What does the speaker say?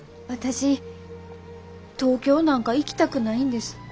私東京なんか行きたくないんです。